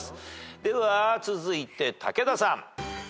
では続いて武田さん。